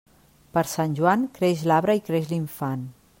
Per Sant Joan, creix l'arbre i creix l'infant.